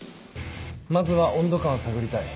まずは温度感を探りたい。